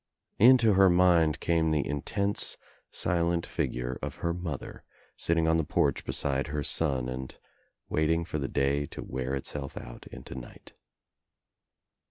Into her mind came the Intense silent figure of her mother sitting on the porch beside her son and waiting 154 THE TRIUMPH OF THE EGG for the day to wear itself out into night.